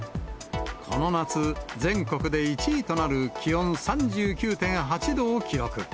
この夏、全国で１位となる、気温３９．８度を記録。